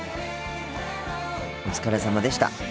お疲れさまでした。